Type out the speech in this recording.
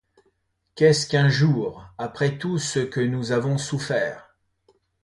Qu’est-ce qu’un jour, après tout ce que nous avons souffert?